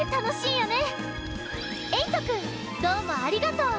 えいとくんどうもありがとう！